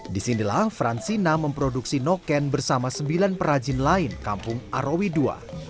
di sindilah fransina memproduksi noken bersama sembilan perajin lain kampung arawi ii